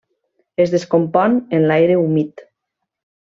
Es descompon en l'aire humit.